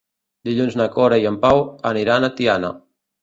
Dilluns na Cora i en Pau aniran a Tiana.